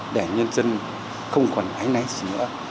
để nhân dân không còn ái nái gì nữa